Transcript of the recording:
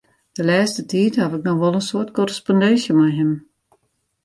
De lêste tiid haw ik noch wol in soad korrespondinsje mei him.